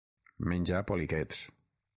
Menja poliquets.